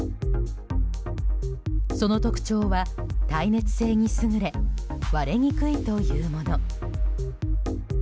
その特徴は、耐熱性に優れ割れにくいというもの。